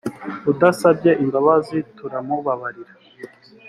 udasabye imbabazi turamubabarira.